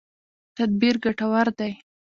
تدبیر ګټور دی.